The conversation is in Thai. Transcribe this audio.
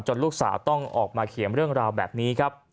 ลูกสาวต้องออกมาเขียนเรื่องราวแบบนี้ครับ